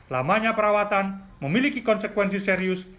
lamanya perawatan memiliki konsekuensi serius